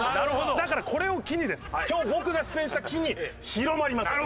だからこれを機にです今日僕が出演した機に広まります！